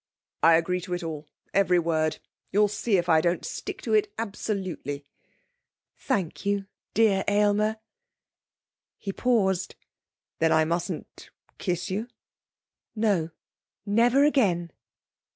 'I agree to it all, to every word. You'll see if I don't stick to it absolutely.' 'Thank you, dear Aylmer.' He paused. 'Then I mustn't kiss you?' 'No. Never again.'